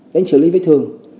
đánh xử lý vết thương